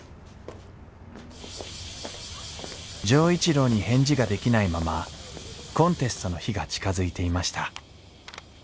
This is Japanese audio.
錠一郎に返事ができないままコンテストの日が近づいていました